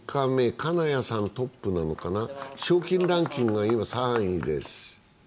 金谷さんトップなのかな、賞金ランキングが今３位です。